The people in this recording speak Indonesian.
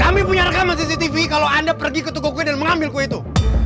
kami punya rekaman cctv kalau anda pergi ke toko kue dan mengambil kue itu